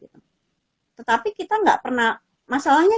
tetapi kita nggak pernah masalahnya